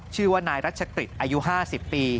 ชื่อว่านายรัชกฤษอายุ๕๐ปี